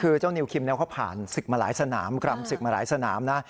คือเจ้านิวคิมเขาผ่านศึกมาหลายสนามกรรมศึกมาหลายสนามนะ